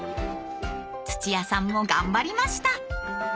土屋さんも頑張りました。